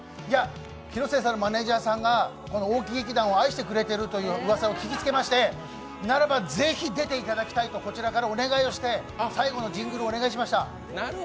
広末さんのマネージャーさんが大木劇団を愛してくれているといううわさを聞きつけまして、ならばぜひ出ていただきたいとこちらからお願いして、最後のジングルお願いしました。